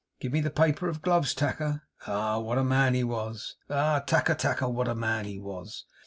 Give me the paper of gloves, Tacker. Ah, what a man he was! Ah, Tacker, Tacker, what a man he was!